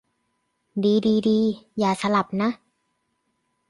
ดีดีดี อย่าสลับ นะ